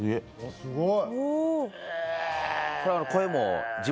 すごい。